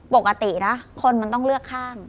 ปกตินะคนมันต้องเลือกข้าม